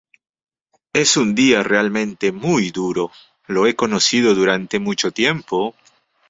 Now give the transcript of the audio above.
Es un día realmente muy duro... Lo he conocido durante mucho tiempo.